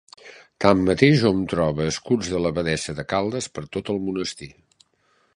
Tanmateix hom troba escuts de l'abadessa de Caldes per tot el monestir.